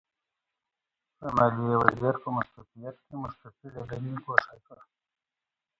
د ماليې وزیر په مستوفیت کې مستوفي له دندې ګوښه کړ.